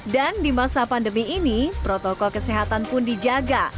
dan di masa pandemi ini protokol kesehatan pun dijaga